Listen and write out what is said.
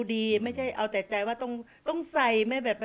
มีช้าแต่ตามไม่ทัน